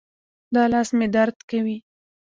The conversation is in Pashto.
دا لاس مې درد کوي